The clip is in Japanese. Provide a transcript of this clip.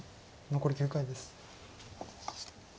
残り９回です。